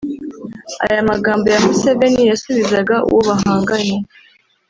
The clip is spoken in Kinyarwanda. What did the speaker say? Aya magambo ya Museveni yasubizaga uwo bahanganye